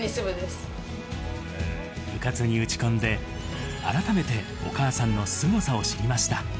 部活に打ち込んで、改めてお母さんのすごさを知りました。